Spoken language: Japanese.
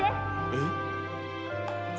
えっ。